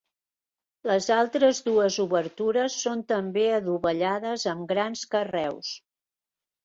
Les altres dues obertures són també adovellades amb grans carreus.